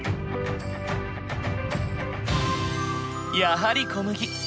やはり小麦。